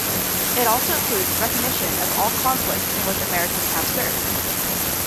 It also includes recognition of all conflicts in which Americans have served.